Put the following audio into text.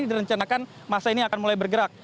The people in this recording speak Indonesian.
direncanakan masa ini akan mulai bergerak